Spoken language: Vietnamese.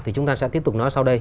thì chúng ta sẽ tiếp tục nói sau đây